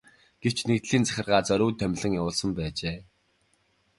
Гэвч нэгдлийн захиргаа зориуд томилон явуулсан байжээ.